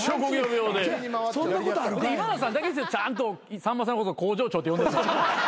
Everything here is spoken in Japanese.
今田さんだけですよちゃんとさんまさんのこと向上長って呼んでんの。